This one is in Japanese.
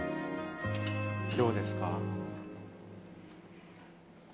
・どうですか？